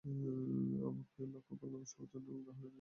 অবাক হয়ে লক্ষ করলাম হাসপাতাল নোংরা হলেও ক্যান্টিনাটা বেশ পরিষ্কার।